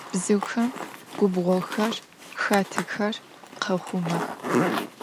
Bzıuxem gubğoxer, xatexer khauxhumex.